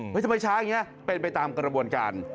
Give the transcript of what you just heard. ทำไมช้าอย่างนี้เป็นไปตามกระบวนการ